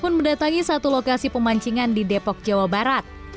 pun mendatangi satu lokasi pemancingan di depok jawa barat